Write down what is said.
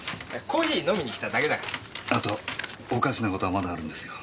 コーヒー飲みに来ただけだから。あとおかしな事はまだあるんですよ。